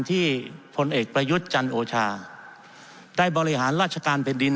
พลเอกประยุทธ์จันโอชาได้บริหารราชการแผ่นดิน